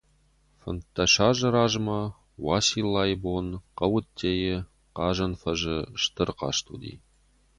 Фынддӕс азы размӕ, Уациллайы бон, хъӕуы ӕддейы Хъазӕн фӕзы стыр хъазт уыди.